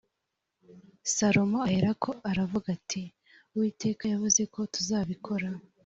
salomo aherako aravuga ati uwiteka yavuze ko tuzabikora